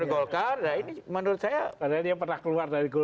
menurut saya itu